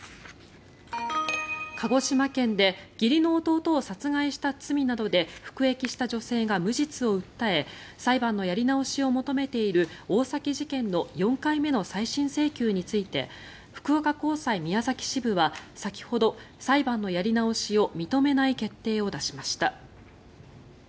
鹿児島県で義理の弟を殺害した罪などで服役した女性が無実を訴え裁判のやり直しを求めている大崎事件の４回目の再審請求について福岡高裁宮崎支部は先ほど裁判のやり直しを認めない決定を出しました。